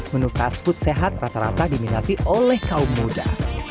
menu fast food sehat rata rata diminati oleh kaum muda